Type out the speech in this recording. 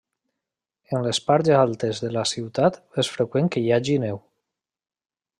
En les parts altes de la ciutat és freqüent que hi hagi neu.